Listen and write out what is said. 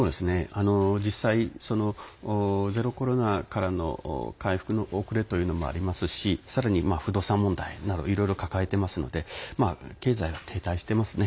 実際、ゼロコロナからの回復の遅れというのもありますしさらに不動産問題などいろいろ抱えてますので経済が停滞してますね。